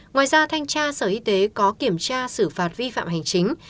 ngoài ra thanh tra sở y tế có kiểm tra xử phạt vi phạm hành chính